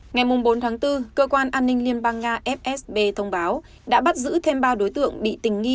ngày bốn tháng bốn cơ quan an ninh liên bang nga fsb thông báo đã bắt giữ thêm ba đối tượng bị tình nghi